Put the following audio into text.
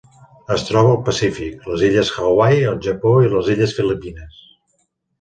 Es troba al Pacífic: les illes Hawaii, el Japó i les illes Filipines.